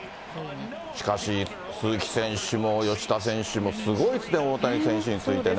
しかし、鈴木選手も吉田選手もすごいですね、大谷選手に続いてね。